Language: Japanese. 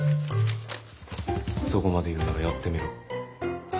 そこまで言うんならやってみろ。